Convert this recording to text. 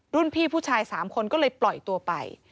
พี่ผู้ชาย๓คนก็เลยปล่อยตัวไป